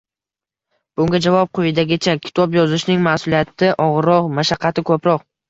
Bunga javob quyidagicha: Kitob yozishning mas’uliyati og‘irroq, mashaqqati ko‘proq.